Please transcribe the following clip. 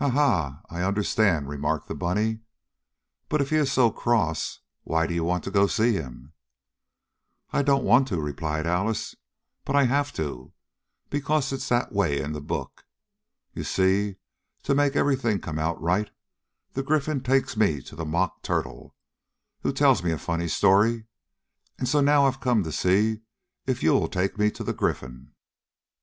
"Ah, ha! I understand," remarked the bunny. "But if he is so cross why do you want to go to see him?" "I don't want to," replied Alice, "but I have to, because it's that way in the book. You see, to make everything come out right, the Gryphon takes me to the Mock Turtle, who tells me a funny story, and so now I've come to see if you'll take me to the Gryphon?"